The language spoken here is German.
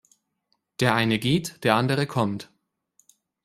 Der eine geht, der andere kommt.